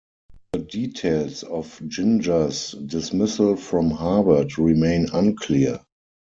The details of Ginger's dismissal from Harvard remain unclear.